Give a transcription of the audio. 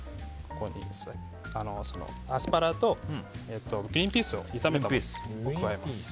アスパラとグリーンピースを炒めたものを加えます。